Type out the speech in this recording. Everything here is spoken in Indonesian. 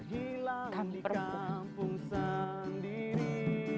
hilang di kampung sendiri